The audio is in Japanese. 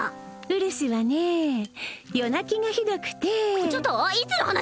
うるしはねえ夜泣きがひどくてちょっといつの話！？